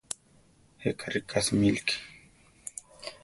Jéka riká simíliki.